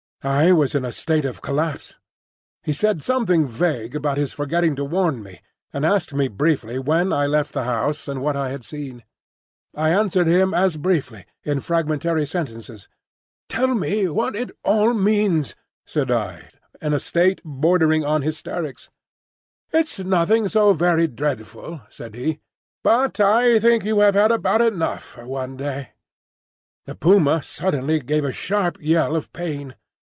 I was in a state of collapse. He said something vague about his forgetting to warn me, and asked me briefly when I left the house and what I had seen. I answered him as briefly, in fragmentary sentences. "Tell me what it all means," said I, in a state bordering on hysterics. "It's nothing so very dreadful," said he. "But I think you have had about enough for one day." The puma suddenly gave a sharp yell of pain.